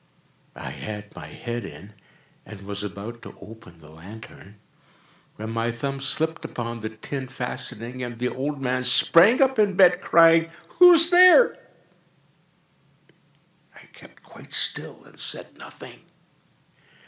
I had my head in, and was about to open the lantern, when my thumb slipped upon the tin fastening, and the old man sprang up in bed, crying out—"Who's there?" I kept quite still and said nothing.